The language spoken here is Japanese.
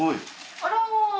あら！